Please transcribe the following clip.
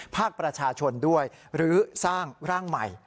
ภาคประชาชนด้วยหรือสร้างร่างใหม่